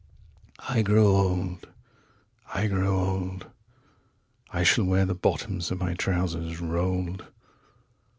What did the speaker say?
120I grow old ... I grow old ...121I shall wear the bottoms of my trousers rolled.